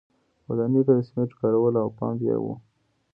په ودانیو کې د سیمنټو کارول او پمپ یې و